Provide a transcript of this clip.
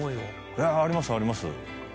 ありますあります。